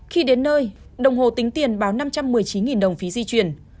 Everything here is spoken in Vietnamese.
khi đến nơi đồng hồ tính tiền báo năm trăm một mươi chín đồng phí di chuyển